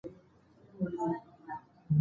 چې واقعا زه دې رشته کې مخته تللى شم.